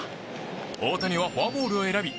大谷はフォアボールを選び